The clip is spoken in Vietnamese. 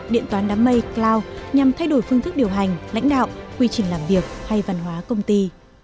điện toán đám mây cloud nhằm thay đổi phương thức điều hành lãnh đạo quy trình làm việc hay văn hóa công ty